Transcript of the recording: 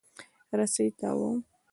رسۍ تاووم.